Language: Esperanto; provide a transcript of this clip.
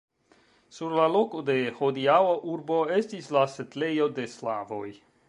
Sur la loko de hodiaŭa urbo estis la setlejo de slavoj.